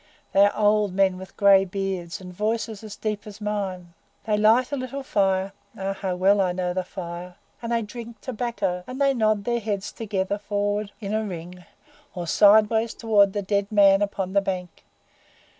They are old men with gray beards, and voices as deep as mine. They light a little fire ah! how well I know that fire! and they drink tobacco, and they nod their heads together forward in a ring, or sideways toward the dead man upon the bank.